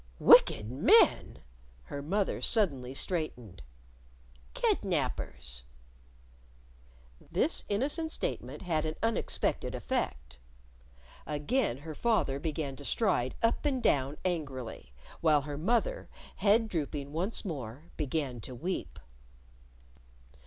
"Wicked men?" Her mother suddenly straightened. "Kidnapers." This innocent statement had an unexpected effect. Again her father began to stride up and down angrily, while her mother, head drooping once more, began to weep.